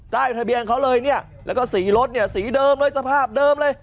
ทะเบียนเขาเลยเนี่ยแล้วก็สีรถเนี่ยสีเดิมเลยสภาพเดิมเลย